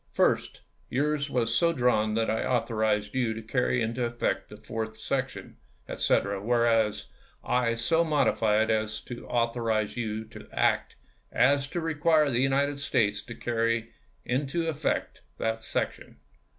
First, yours was so drawn as that I authorized you to carry into effect the fourth section, etc. ; whereas I so modify it as to authorize you to so act as to require the United States to carry into effect that section.